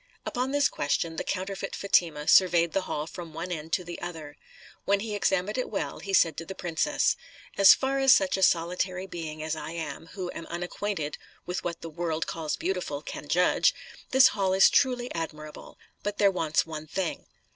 Upon this question the counterfeit Fatima surveyed the hall from one end to the other. When he had examined it well, he said to the princess, "As far as such a solitary being as I am, who am unacquainted with what the world calls beautiful, can judge, this hall is truly admirable; there wants but one thing."